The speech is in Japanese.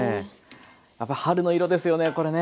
やっぱ春の色ですよねこれね。